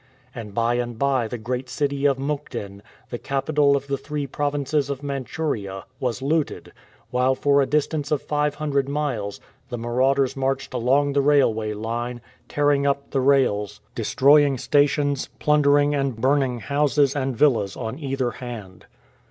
And by and by the great city of Mukden, the capital of the three provinces of Manchuria, was looted, while for a dislance of 500 miles the marauders marched along the railway line, tearing up the rails, 90 THE "FREE HEALING HALL" destroying stations, plundering and burning houses and villas on either hand.